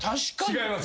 違います。